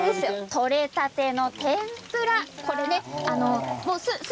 採れたての天ぷらです。